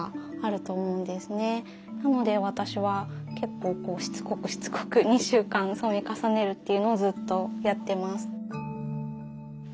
なので私は結構こうしつこくしつこく２週間染め重ねるっていうのをずっとやってます。